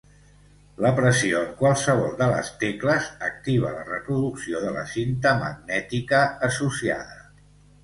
La pressió en qualsevol de les tecles activa la reproducció de la cinta magnètica associada.